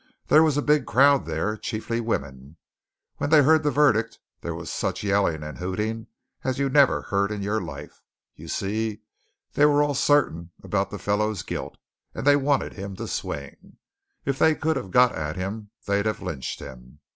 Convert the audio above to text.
There was a big crowd there chiefly women. When they heard the verdict there was such yelling and hooting as you never heard in your life! You see, they were all certain about the fellow's guilt, and they wanted him to swing. If they could have got at him, they'd have lynched him.